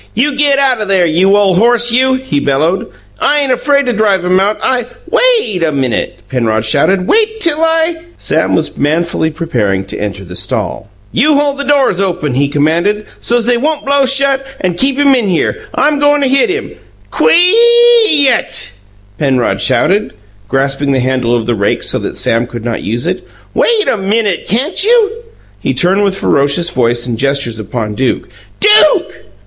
"You get out o' there, you ole horse, you!" he bellowed. "I ain't afraid to drive him out. I " "WAIT a minute!" Penrod shouted. "Wait till I " Sam was manfully preparing to enter the stall. "You hold the doors open," he commanded, "so's they won't blow shut and keep him in here. I'm goin' to hit him " "Quee YUT!" Penrod shouted, grasping the handle of the rake so that Sam could not use it. "Wait a MINUTE, can't you?" He turned with ferocious voice and gestures upon Duke. "DUKE!"